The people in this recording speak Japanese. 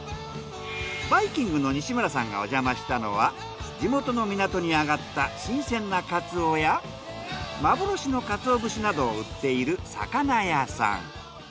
バイきんぐの西村さんがおじゃましたのは地元の港に揚がった新鮮なカツオや幻のカツオ節などを売っている魚屋さん。